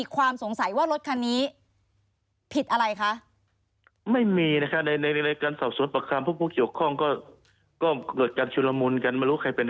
ครับ